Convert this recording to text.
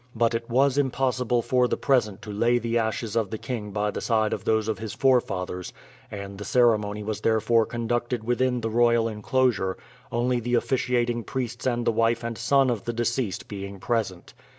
But it was impossible for the present to lay the ashes of the king by the side of those of his forefathers, and the ceremony was therefore conducted within the royal inclosure, only the officiating priests and the wife and son of the deceased being present.